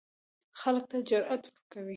خلکو ته جرئت ورکړي